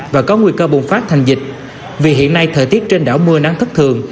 và có nguy cơ bùng phát thành dịch vì hiện nay thời tiết trên đảo mưa nắng thất thường